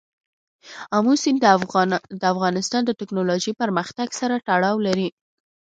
آمو سیند د افغانستان د تکنالوژۍ پرمختګ سره تړاو لري.